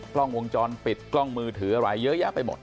กล้องวงจรปิดกล้องมือถืออะไรเยอะแยะไปหมด